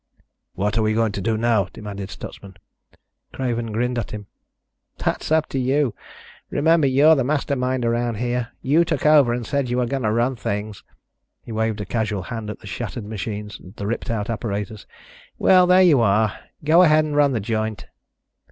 "What are we going to do now?" demanded Stutsman. Craven grinned at him. "That's up to you. Remember, you're the master mind around here. You took over and said you were going to run things." He waved a casual hand at the shattered machines, the ripped out apparatus. "Well, there you are. Go ahead and run the joint."